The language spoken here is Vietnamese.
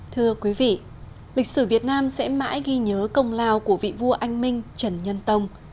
thưa quý vị lịch sử việt nam sẽ mãi ghi nhớ công lao của vị vua anh minh trần nhân tông